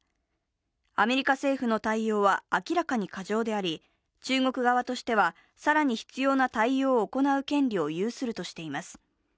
アメリカ政府の対応は明らかに過剰であり、中国側としては更に必要な対応を行う権利を有するとしています。